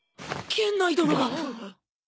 源内殿が！